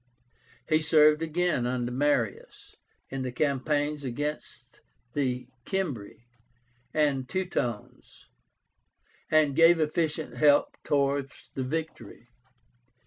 He served again under Marius in the campaigns against the Cimbri and Teutones, and gave efficient help towards the victory.